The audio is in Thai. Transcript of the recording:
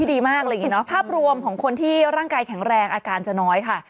ร่างกายแข็งแรงอาการจะน้อยค่ะ